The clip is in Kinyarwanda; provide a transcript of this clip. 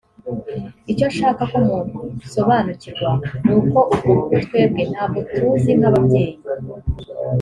Icyo nshaka ko musobanukirwa ni uko ubwo bukwe twebwe ntabwo tuzi nk’ababyeyi